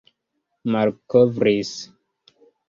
malkovris